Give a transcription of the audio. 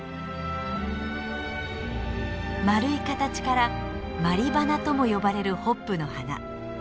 丸い形から「鞠花」とも呼ばれるホップの花。